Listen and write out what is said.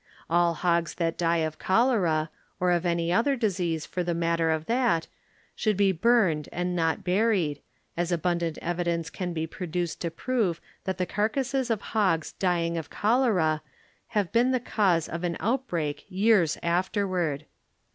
All hogs that die of cholera, or of any other disease for (he matter of that, should be burned and not buried, as abundant evidence can be produced to prove that the carcasses of hogs dying of cholera have been the cause of an outbreak years afterward.